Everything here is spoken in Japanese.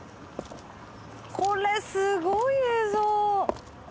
これすごい映像！